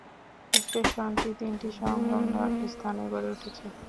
স্টেশনটি তিনটি সংলগ্ন স্থানে গড়ে উঠেছে।